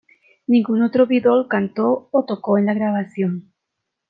Ningún otro Beatle cantó o tocó en la grabación.